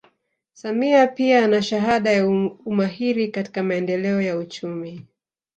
Samia pia ana shahada ya umahiri katika maendeleo ya uchumi